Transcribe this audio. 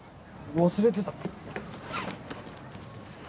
忘れてた